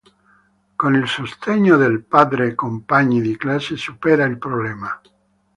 Con il sostegno del padre e compagni di classe supera il problema.